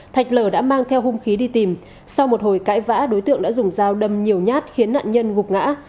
thạch lở đã mang theo hung khí đi tìm sau một hồi cãi vã đối tượng đã dùng dao đâm nhiều nhát khiến nạn nhân gục ngã